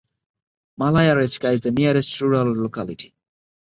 Malaya Rechka is the nearest rural locality.